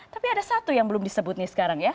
tapi ada satu yang belum disebut nih sekarang ya